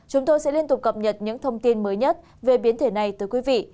chúng tôi sẽ liên tục cập nhật những thông tin mới nhất về biến thể này tới quý vị